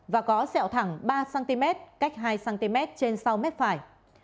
và có sẹo thẳng ba cm cách hai cm trên sau mép phải